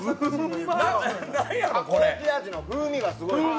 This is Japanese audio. たこ焼味の風味がすごい。